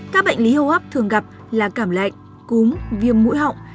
các bệnh lý hô hấp thường gặp là cảm lạnh cúm viêm mũi họng